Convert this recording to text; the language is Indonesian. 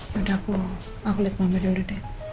yaudah aku liat mama dulu deh